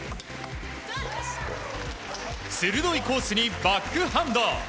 鋭いコースにバックハンド。